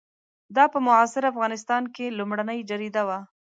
دا په معاصر افغانستان کې لومړنۍ جریده وه.